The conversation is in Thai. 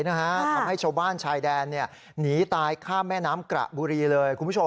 ทำให้ชาวบ้านชายแดนหนีตายข้ามแม่น้ำกระบุรีเลยคุณผู้ชม